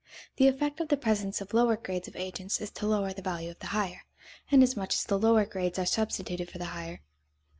The effect of the presence of lower grades of agents is to lower the value of the higher, inasmuch as the lower grades are substituted for the higher.